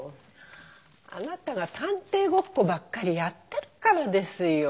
あなたが探偵ごっこばっかりやってるからですよ。